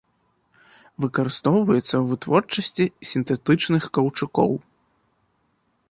Выкарыстоўваецца ў вытворчасці сінтэтычных каўчукоў.